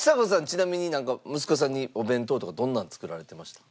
ちなみになんか息子さんにお弁当とかどんなの作られてました？